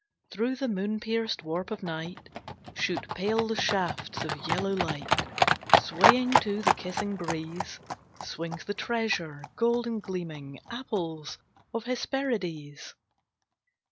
Through the moon pierced warp of night Shoot pale shafts of yellow light, Swaying to the kissing breeze Swings the treasure, golden gleaming, Apples of Hesperides!